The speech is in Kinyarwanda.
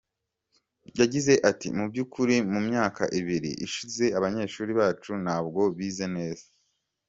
Yagize ati “Mu by’ukuri mu myaka ibiri ishize abanyeshuri bacu ntabwo bize neza.